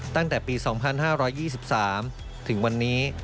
ตั้งแต่ปี๒๕๒๓ถึงวันนี้